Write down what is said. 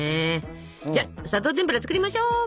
じゃあ砂糖てんぷら作りましょうか。